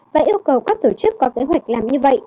và yêu cầu các tổ chức có kế hoạch làm như vậy